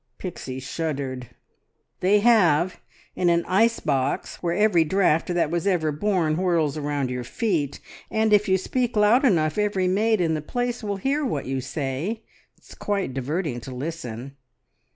Pixie shuddered. "They have; in an ice box, where every draught that was ever born whirls around your feet, and if you speak loud enough, every maid in the place will hear what you say. It's quite diverting to listen!"